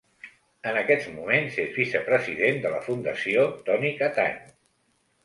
En aquests moments és vicepresident de la Fundació Toni Catany.